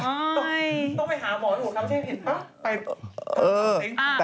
ต้องไปหาหมอนุกเหมือนคำใช่ปะ